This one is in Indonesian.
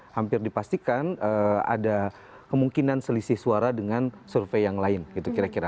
hampir dipastikan ada kemungkinan selisih suara dengan survei yang lain gitu kira kira